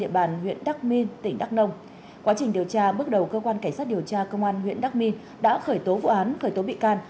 bước đầu cơ quan cảnh sát điều tra công an huyện đắc minh đã khởi tố vụ án khởi tố bị can